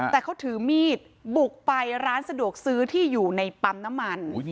แต่เขาถือมีดบุกไปร้านสะดวกซื้อที่อยู่ในปั๊มน้ำมัน